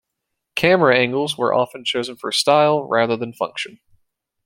Camera angles were often chosen for style rather than function.